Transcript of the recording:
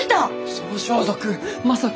その装束まさか。